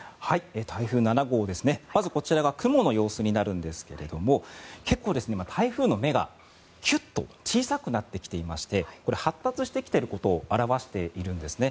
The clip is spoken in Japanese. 台風７号、まずこちらが雲の様子になるんですけれども結構、台風の目がキュッと小さくなっていまして発達してきていることを表しているんですね。